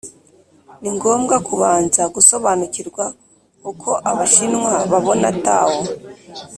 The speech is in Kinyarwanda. ni ngombwa kubanza gusobanukirwa uko abashinwa babona tao.